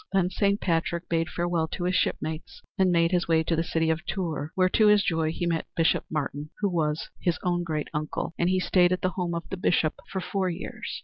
Then Saint Patrick bade farewell to his shipmates, and made his way to the city of Tours, where to his joy he met Bishop Martin, who was his own great uncle. And he stayed at the home of the Bishop for four years.